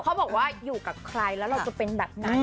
เขาบอกว่าอยู่กับใครแล้วเราจะเป็นแบบนั้น